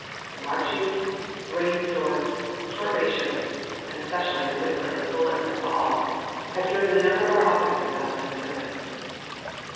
The marching, rain storms, short rations, and especially the whistling of bullets and ball have driven a number of our officers out of the service.